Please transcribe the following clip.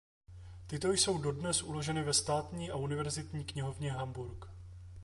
Tyto jsou dodnes uloženy ve Státní a univerzitní knihovně Hamburk.